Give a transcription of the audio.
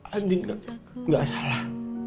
adit gak salah